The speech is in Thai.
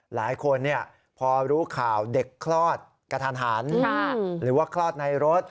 หลายคนพอรู้ข่าวเด็กคลอดกระทันหันหรือว่าคลอดในรถ